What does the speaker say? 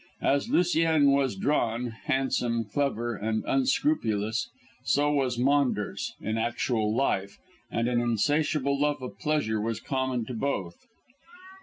As Lucien was drawn, handsome, clever, and unscrupulous, so was Maunders in actual life, and an insatiable love of pleasure was common to both.